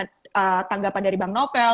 bagaimana tandakan tanggapan dari bank novel